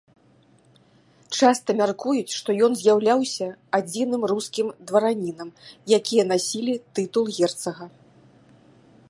Часта мяркуюць, што ён з'яўляўся адзіным рускім дваранінам, якія насілі тытул герцага.